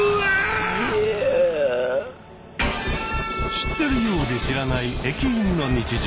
知ってるようで知らない駅員の日常。